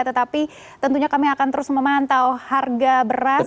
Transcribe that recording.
tetapi tentunya kami akan terus memantau harga beras